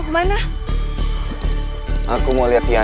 demi gan makasih udah